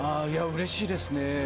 うれしいですね。